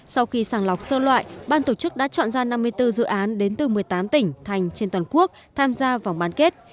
sau khi sàng lọc sơ loại ban tổ chức đã chọn ra năm mươi bốn dự án đến từ một mươi tám tỉnh thành trên toàn quốc tham gia vòng bán kết